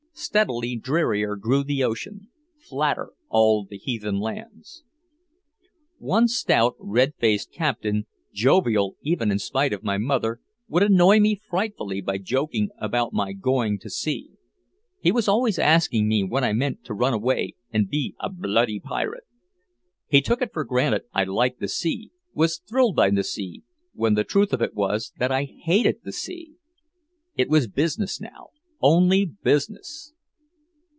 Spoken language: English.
Steadily drearier grew the ocean, flatter all the heathen lands. One stout, red faced captain, jovial even in spite of my mother, would annoy me frightfully by joking about my going to sea. He was always asking me when I meant to run away and be "a bloody pirate." He took it for granted I liked the sea, was thrilled by the sea, when the truth of it was that I hated the sea! It was business now, only business!